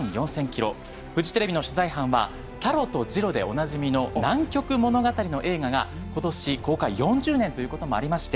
フジテレビの取材班はタロとジロでおなじみの「南極物語」の映画が今年公開４０年ということもありまして